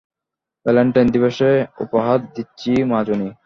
Valentine দিবসে উপহার দিচ্ছি মাজুনি।